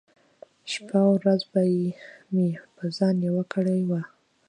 شپه ورځ به مې په ځان يوه کړې وه .